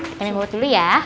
kita minum obat dulu ya